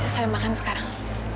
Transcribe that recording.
saya makan sekarang